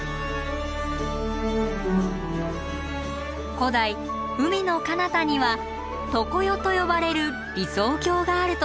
古代海のかなたには常世と呼ばれる理想郷があるとされてきました。